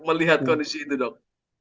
melihat kondisi itu dok